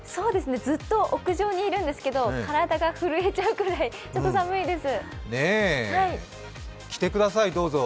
ずっと屋上にいるんですけど、体が震えちゃうくらい寒いですねえ、着てください、どうぞ。